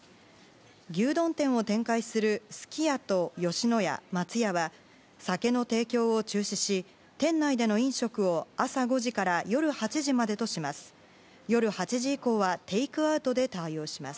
牛丼店を展開するすき家と吉野家、松屋は酒の提供を中止し店内での飲食を朝５時から夜８時までとします。